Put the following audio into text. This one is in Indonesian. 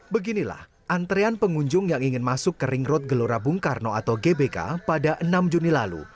beginilah antrean pengunjung yang ingin masuk ke ring road gelora bung karno atau gbk pada enam juni lalu